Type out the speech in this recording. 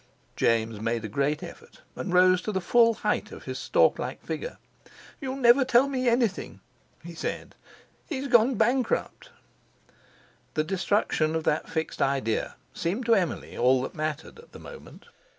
James made a great effort, and rose to the full height of his stork like figure. "You never tell me anything," he said; "he's gone bankrupt." The destruction of that fixed idea seemed to Emily all that mattered at the moment.